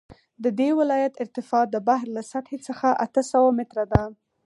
د دې ولایت ارتفاع د بحر له سطحې څخه اته سوه متره ده